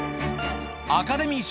アカデミー賞